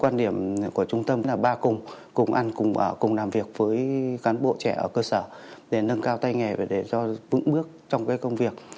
quan điểm của trung tâm là ba cùng cùng ăn cùng ở cùng làm việc với cán bộ trẻ ở cơ sở để nâng cao tay nghề và để cho vững bước trong cái công việc